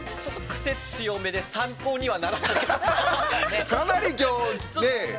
癖強めで参考にはならなかった。